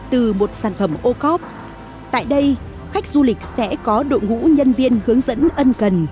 từ một sản phẩm ô cóp tại đây khách du lịch sẽ có đội ngũ nhân viên hướng dẫn ân cần